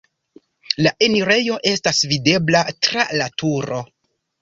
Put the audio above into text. La enirejo estas videbla tra la turo.